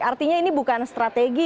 artinya ini bukan strategi